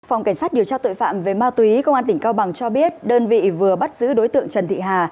phòng cảnh sát điều tra tội phạm về ma túy công an tỉnh cao bằng cho biết đơn vị vừa bắt giữ đối tượng trần thị hà